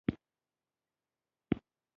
غول د کم خوځښت لامل کېږي.